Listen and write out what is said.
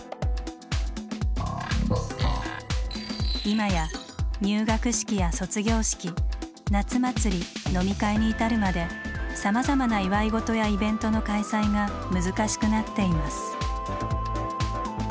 今や入学式や卒業式夏祭り飲み会に至るまでさまざまな祝い事やイベントの開催が難しくなっています。